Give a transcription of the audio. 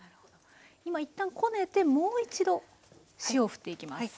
今一旦こねてもう一度塩をふっていきます。